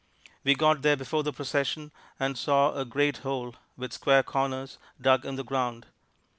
We got there before the procession, and saw a great hole, with square corners, dug in the ground.